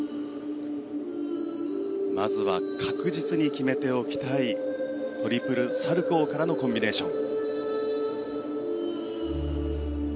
まずは確実に決めておきたいトリプルサルコウからのコンビネーション。